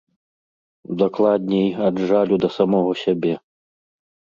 Дакладней, ад жалю да самога сябе.